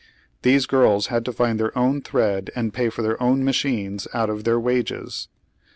Tiiese girls had to find their own thread and pay for their own machines out of their wages.